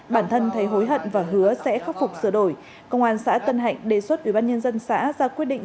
bản thân thấy hối hận và hứa sẽ khắc phục sửa đổi công an xã tân hạnh đề xuất ubnd xã ra quyết định